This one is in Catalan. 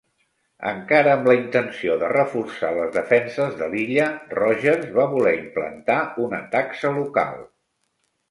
Encara amb la intenció de reforçar les defenses de l'illa, Rogers va voler implantar una taxa local.